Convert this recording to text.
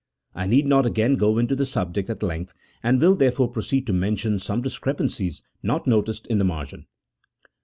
I need not again go into the subject at length, and will, therefore, proceed to mention some discrepancies not noticed in the margin.